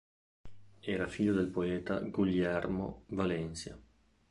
Era figlio del poeta Guillermo Valencia.